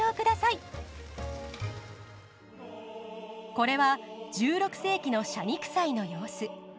これは１６世紀の謝肉祭の様子。